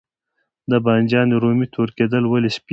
د بانجان رومي تور کیدل ولې پیښیږي؟